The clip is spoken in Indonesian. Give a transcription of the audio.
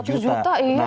seratus juta iya tuh